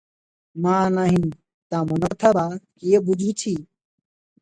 ମା ନାହିଁ, ତା ମନ କଥା ବା କିଏ ବୁଝୁଛି?